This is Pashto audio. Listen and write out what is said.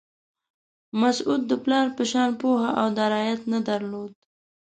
مسعود د پلار په شان پوهه او درایت نه درلود.